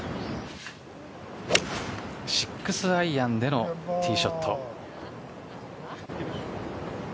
６アイアンでのティーショット。